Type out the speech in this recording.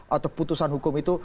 atau putusan hukum itu